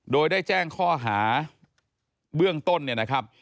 โดยได้แจ้งข้อหาเบื้องต้นเนี่ยนะครับ